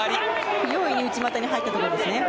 不用意に内股に入ったところですね。